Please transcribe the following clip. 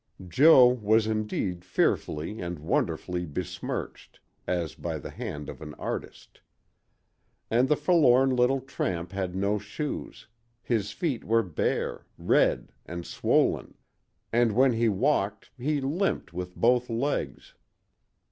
Jo was indeed fearfully and wonderfully besmirched, as by the hand of an artist. And the forlorn little tramp had no shoes; his feet were bare, red, and swollen, and when he walked he limped with both legs.